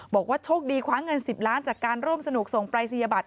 บอกว่าโชคดีคว้าเงิน๑๐ล้านจากการร่วมสนุกส่งปรายศนียบัตร